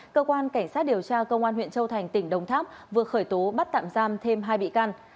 cơ quan cảnh sát điều tra công an huyện châu thành tỉnh đồng tháp vừa khởi tố bắt tạm giam thêm hai bị can